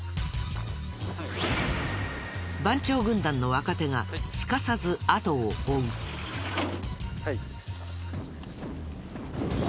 番長軍団の若手がすかさず後を追う。